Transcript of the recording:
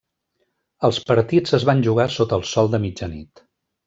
Els partits es van jugar sota el sol de mitjanit.